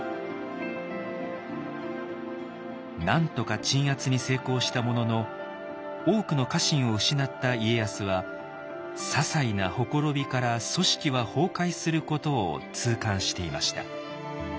なんとか鎮圧に成功したものの多くの家臣を失った家康はささいなほころびから組織は崩壊することを痛感していました。